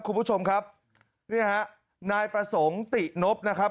คุณผู้ชมครับเนี่ยฮะนายประสงค์ตินบนะครับ